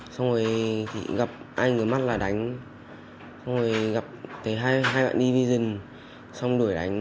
xong rồi thì gặp hai người mắt là đánh xong rồi gặp hai bạn đi dừng xong đuổi đánh